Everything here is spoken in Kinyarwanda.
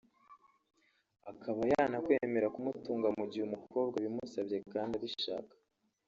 akaba yanakwemera kumutunga mu gihe umukobwa abimusabye kandi abishaka